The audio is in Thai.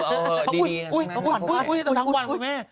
เอาออกดีของแม่